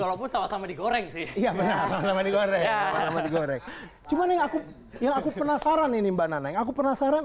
sih iya benar sama sama digoreng cuma yang aku yang aku penasaran ini mbak nana yang aku penasaran